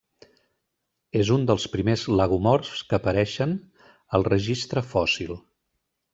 És un dels primers lagomorfs que apareixen al registre fòssil.